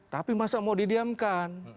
tapi masa mau didiamkan